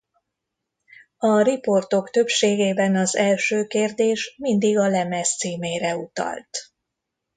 A riportok többségében az első kérdés mindig a lemez címére utalt.